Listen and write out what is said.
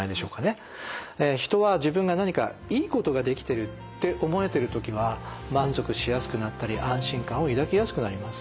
人は自分が何かいいことができてるって思えてる時は満足しやすくなったり安心感を抱きやすくなります。